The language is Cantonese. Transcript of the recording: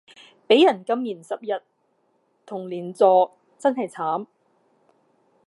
畀人禁言十日同連坐真係慘